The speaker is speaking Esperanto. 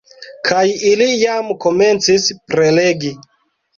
Kaj ili jam komencis prelegi